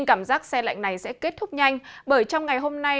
cảm giác xe lạnh này sẽ kết thúc nhanh bởi trong ngày hôm nay